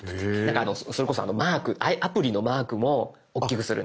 それこそマークアプリのマークもおっきくする。